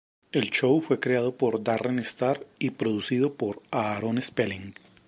El show fue creado por Darren Star y producido por Aaron Spelling.